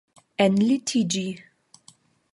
enlitiĝi